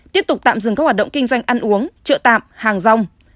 tiếp tục tạm dừng các hoạt động kinh doanh ăn uống trợ tạm hàng rong